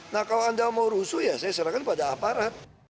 nah kalau anda mau rusuh ya saya serahkan pada aparat